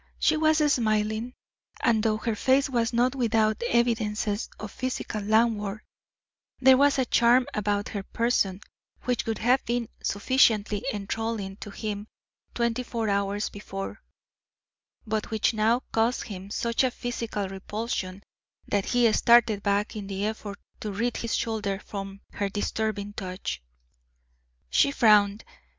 She was smiling, and, though her face was not without evidences of physical languor, there was a charm about her person which would have been sufficiently enthralling to him twenty four hours before, but which now caused him such a physical repulsion that he started back in the effort to rid his shoulder from her disturbing touch. She frowned.